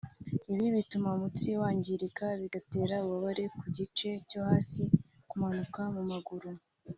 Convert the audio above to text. ibi bituma umutsi wangirika bigatera ububabare ku gice cyo hasi kumanuka mu maguru